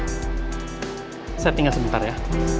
saya tinggal sebentar ya